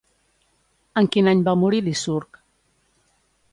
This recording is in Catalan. En quin any va morir Licurg?